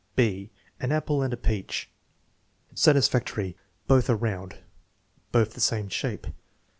(6) An appk and a peach Satisfactory. "Both are round." "Both the same shape."